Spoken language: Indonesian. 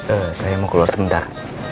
eh saya mau keluar sebentar